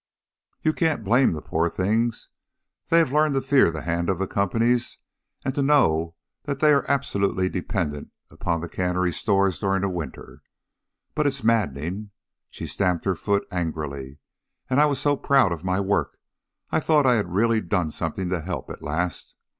"You can't blame the poor things. They have learned to fear the hand of the companies, and to know that they are absolutely dependent upon the cannery stores during the winter. But it's maddening!" She stamped her foot angrily. "And I was so proud of my work. I thought I had really done something to help at last.